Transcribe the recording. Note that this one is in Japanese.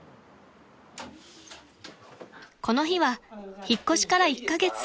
［この日は引っ越しから１カ月］